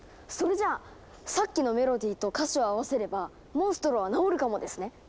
それじゃあさっきのメロディーと歌詞を合わせればモンストロは治るかもですね。